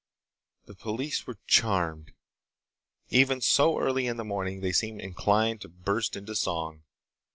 The police were charmed. Even so early in the morning they seemed inclined to burst into song.